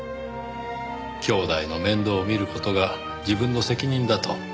兄弟の面倒を見る事が自分の責任だと。